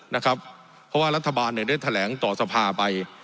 เพราะว่ารัฐบาลได้แถลงต่อสภาไป